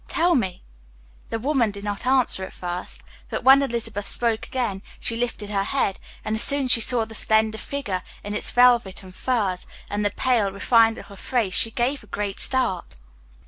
"Tell me." The woman did not answer at first, but when Elizabeth spoke again she lifted her head, and as soon as she saw the slender figure in its velvet and furs, and the pale, refined little face, she gave a great start.